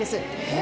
え？